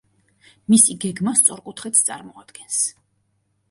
მისი გეგმა სწორკუთხედს წარმოადგენს.